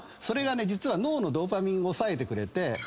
それが脳のドーパミン抑えてくれて。